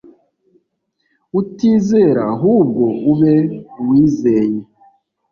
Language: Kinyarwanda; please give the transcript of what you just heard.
utizera ahubwo ube uwizeye